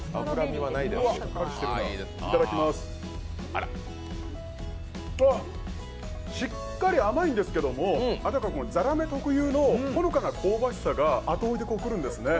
あ、しっかり甘いんですけどもざらめ特有のほのかの香ばしさが後追いで来るんですね。